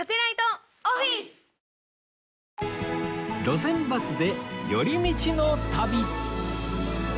『路線バスで寄り道の旅』